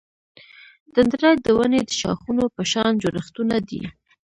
دندرایت د ونې د شاخونو په شان جوړښتونه دي.